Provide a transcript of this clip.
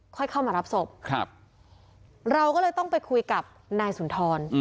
ค่อยเข้ามารับศพครับเราก็เลยต้องไปคุยกับนายสุนทร